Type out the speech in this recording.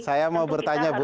saya mau bertanya bu